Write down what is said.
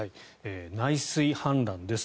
内水氾濫です。